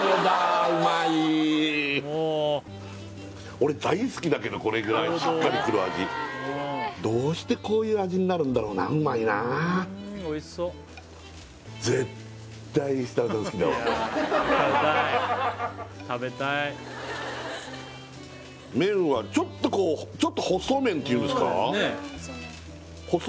俺大好きだけどこれぐらいしっかりくる味どうしてこういう味になるんだろうなうまいな麺はちょっとこうちょっと細麺っていうんですかそうですね細